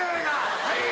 はい！